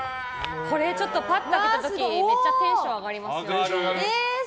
これ、ぱっと開けた時めっちゃテンション上がりますよね。